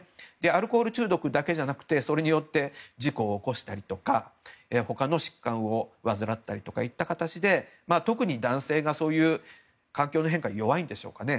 アルコール中毒だけじゃなくてそれによって事故を起こしたりとか他の疾患を患ったりとかいう形で特に男性がそういう環境の変化に弱いんでしょうかね。